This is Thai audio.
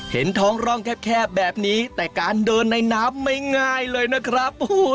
เห็นท้องร่องแคบแบบนี้แต่การเดินในน้ำไม่ง่ายเลยนะครับ